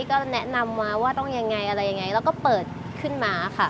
ก็แนะนำว่าต้องยังไงอะไรยังไงแล้วก็เปิดขึ้นมาค่ะ